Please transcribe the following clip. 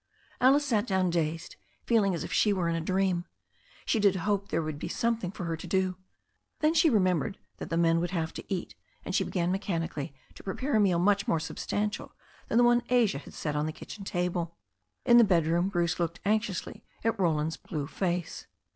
Alice sat down dazed, feeling as if she were in a dream^ She did hope there would be something for her to do. Thea "7' 210 THE STORY OF A NEW ZEALAND RIVEB she remembered that the men would have to eat, and she began mechanically to prepare a more substantial meal than the one Asia had set on the kitchen table. In the bedroom Bruce looked anxiously at Roland's blue face.